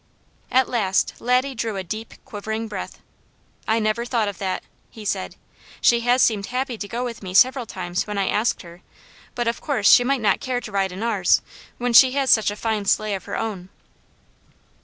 At last Laddie drew a deep, quivering breath. "I never thought of that," he said. "She has seemed happy to go with me several times when I asked her, but of course she might not care to ride in ours, when she has such a fine sleigh of her own."